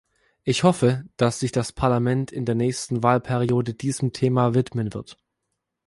Ich hoffe, dass sich das Parlament in der nächsten Wahlperiode diesem Thema widmen wird.